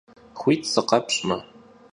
Xuit sıkhepş'me.